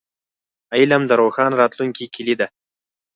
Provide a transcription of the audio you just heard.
علم د روښانه راتلونکي کیلي ده.